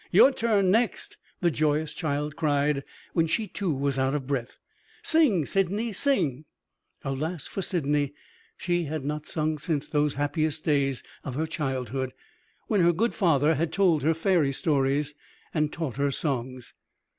"Your turn next," the joyous child cried, when she too was out of breath. "Sing, Sydney sing!" Alas for Sydney! She had not sung since those happiest days of her childhood, when her good father had told her fairy stories, and taught her songs.